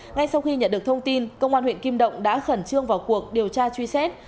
ngay sau khi nhận được thông tin công an huyện kim động đã khẩn trương vào cuộc điều tra truy xét